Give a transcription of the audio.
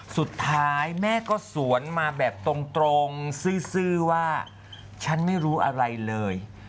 สุดท้ายแม่ก็สวนมาแบบตรงซื่อว่าฉันไม่รู้อะไรเลย